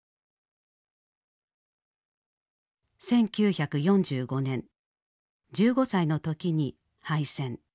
１９４５年１５歳の時に敗戦。